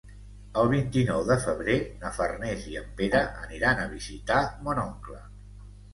El vint-i-nou de febrer na Farners i en Pere aniran a visitar mon oncle.